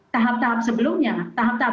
tahap tahap sebelumnya tahap tahap